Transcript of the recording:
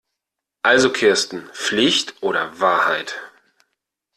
Also Kirsten, Pflicht oder Wahrheit?